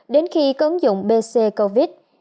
đến khi có ứng dụng bc covid